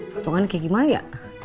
potongan kek gimana ya